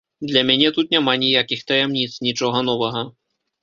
Для мяне тут няма ніякіх таямніц, нічога новага.